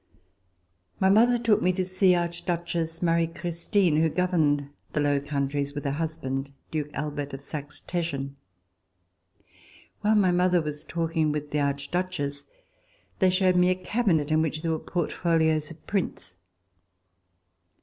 My mother took me to see Archduchess Marie Christine, who governed the Low Countries with her husband, Duke Albert of Saxe Teschen. While my mother was talking with the Archduchess, they showed me a cabinet in which there were portfolios of prints.